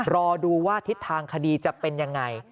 รอดูว่าทิศทางคดีจะเป็นยังไง